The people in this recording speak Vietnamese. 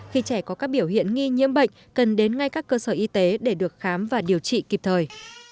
khi trẻ có các biểu hiện nghi nhiễm bệnh cần đến ngay các cơ sở y tế để được khám và điều trị kịp thời